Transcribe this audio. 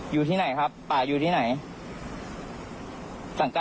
อยู่ที่ไหนครับป่าอยู่ที่ไหนครับป่าอยู่ที่ไหนครับ